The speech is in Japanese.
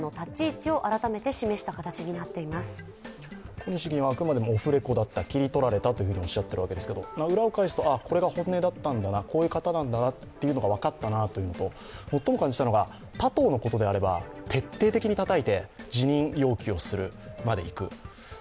小西議員はあくまでもオフレコだった、切り取られたとおっしゃっていますが裏を返すと、これが本音だったんだな、こういう方だったなというのが分かったなというのと、最も感じたのは他党のことであれば徹底的にたたいて、辞任要求するまでいく。